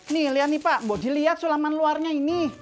nih liat nih pak mau diliat sulaman luarnya ini